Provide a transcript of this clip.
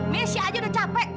mesya aja udah capek